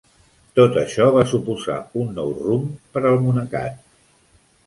Tot això va suposar un nou rumb per al monacat.